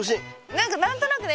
何か何となくね